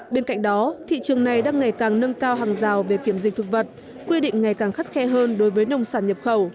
bên cạnh đó thị trường này đang ngày càng nâng cao hàng rào về kiểm dịch thực vật quy định ngày càng khắt khe hơn đối với nông sản nhập khẩu